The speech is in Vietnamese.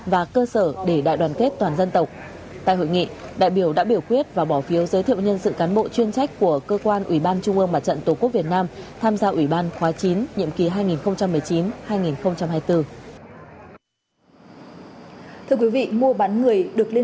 và cơ sở để đại đoàn kết toàn dân tộc